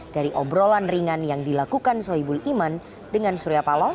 dari obrolan ringan yang dilakukan soebul iman dengan surya paloh